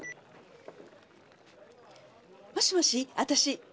もしもし私。